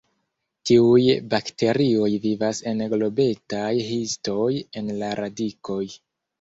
Tiuj bakterioj vivas en globetaj histoj en la radikoj.